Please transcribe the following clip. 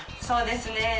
そうですね。